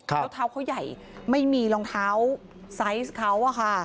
แล้วเท้าเขาใหญ่ไม่มีรองเท้าไซส์เขาอะค่ะ